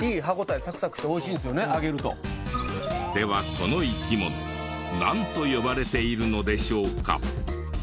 この生き物なんと呼ばれているのでしょうか？